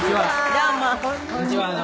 どうも。